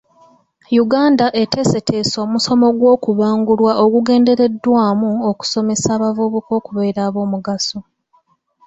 Uganda eteeseteese omusomo gw'okubangulwa ogugendereddwamu okusomesa abavubuka okubeera ab'omugaso.